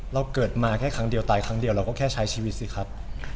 เราเกิดมาแค่ครั้งเดียวตายครั้งเดียวเราก็แค่ใช้ชีวิตสิครับ